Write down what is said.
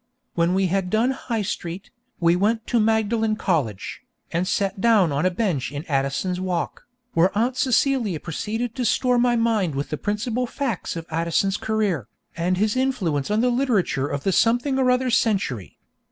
When we had done High Street, we went to Magdalen College, and sat down on a bench in Addison's Walk, where Aunt Celia proceeded to store my mind with the principal facts of Addison's career, and his influence on the literature of the something or other century.